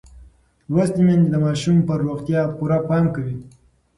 لوستې میندې د ماشوم پر روغتیا پوره پام کوي.